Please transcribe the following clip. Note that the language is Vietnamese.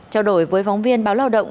trao đổi với phóng viên báo lao động